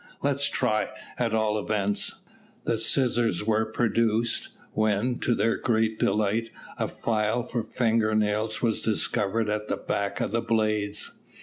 Let's try, at all events." The scissors were produced, when, to their great delight, a file for finger nails was discovered at the back of the blades.